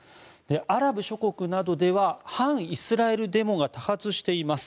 アラブ諸国などでは反イスラエルデモが多発しています。